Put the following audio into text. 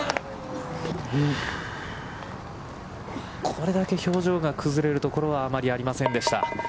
これだけ表情が崩れるところはあまりありませんでした。